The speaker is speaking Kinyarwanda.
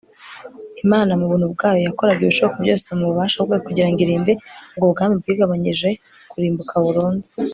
imana mu buntu bwayo yakoraga ibishoboka byose mu bubasha bwayo kugira ngo irinde ubwo bwami bwigabanyije kurimbuka burundu